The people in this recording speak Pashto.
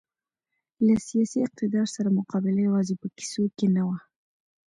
له سیاسي اقتدار سره مقابله یوازې په کیسو کې نه وه.